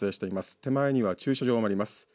手前には駐車場があります。